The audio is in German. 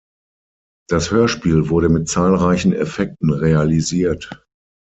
Das Hörspiel wurde mit zahlreichen Effekten realisiert.